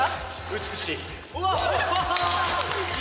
美しい。